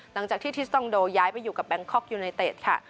หลังจากที่ทิสตองโดย้ายไปอยู่กับแบงคอกยูไนเต็ดค่ะ